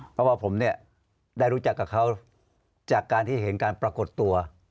เพราะว่าผมเนี่ยได้รู้จักกับเขาจากการที่เห็นการปรากฏตัว